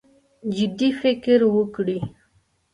جدي فکر وکړي.